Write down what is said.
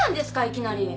いきなり。